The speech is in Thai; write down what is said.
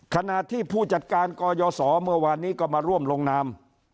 ขณะที่ผู้จัดการกยศเมื่อวานนี้ก็มาร่วมลงนาม